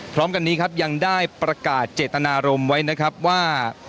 พร้อมกันนี้ครับยังได้ประกาศเจตนารมณ์ไว้นะครับว่า